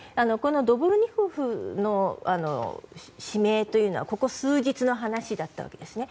ドボルニコフの指名というのはここ数日の話だったわけですね。